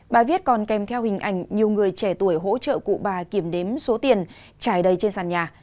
bài viết còn kèm theo hình ảnh nhiều người trẻ tuổi hỗ trợ cụ bà kiểm đếm số tiền trải đầy trên sàn nhà